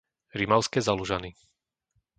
Rimavské Zalužany